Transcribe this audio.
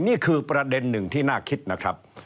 นี่คือประเด็นหนึ่งที่น่าคิดนะครับ